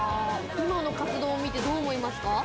今の活動を見てどう思いますか？